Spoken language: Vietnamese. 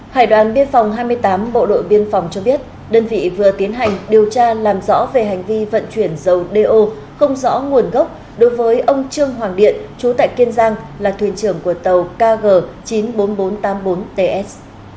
hải đoàn biên phòng hai mươi tám bộ đội biên phòng cho biết đơn vị vừa tiến hành điều tra làm rõ về hành vi vận chuyển dầu do không rõ nguồn gốc đối với ông trương hoàng điện chú tại kiên giang là thuyền trưởng của tàu kg chín mươi bốn nghìn bốn trăm tám mươi bốn ts